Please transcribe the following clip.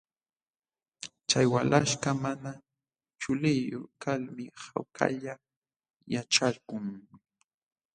Chay walaśhkaq mana chuliyuq kalmi hawkalla yaćhakun.